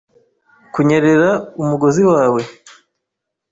kunyerera umugozi wawe? ”